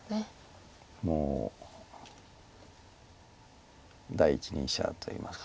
もう第一人者といいますか。